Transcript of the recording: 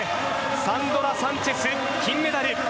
サンドラ・サンチェス、金メダル。